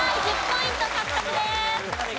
１０ポイント獲得です。